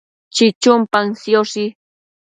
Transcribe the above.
chichun paën sioshi